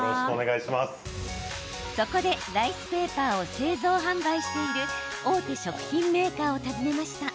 そこで、ライスペーパーを製造販売している大手食品メーカーを訪ねました。